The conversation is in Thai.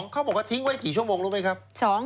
เขาบอกว่าทิ้งไว้กี่ชั่วโมงรู้ไหมครับ